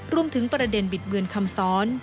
รวมถึงประเด็นบิดเบือนคำซ้อน